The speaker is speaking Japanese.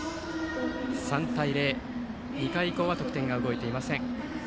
３対０２回以降は得点が動いていません。